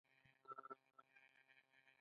افغانستان زما د پلار وطن دی